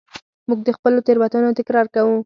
موږ د خپلو تېروتنو تکرار کوو.